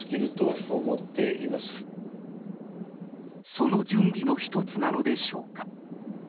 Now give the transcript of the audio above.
その準備の１つなのでしょうか。